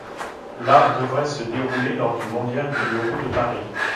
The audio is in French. La devrait se dérouler lors du Mondial du deux roues de Paris.